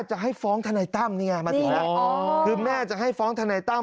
จะให้ฟ้องทนายตั้มนี่ไงมาถึงแล้วคือแม่จะให้ฟ้องทนายตั้ม